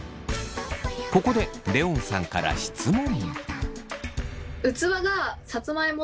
ここでレオンさんから質問。